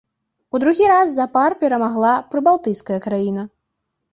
У другі раз запар перамагла прыбалтыйская краіна.